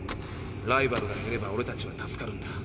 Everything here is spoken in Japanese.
ライバルが減ればオレたちは助かるんだ。